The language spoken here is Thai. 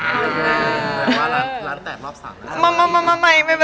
หมายความว่าล้านแตกรอบสามนะครับ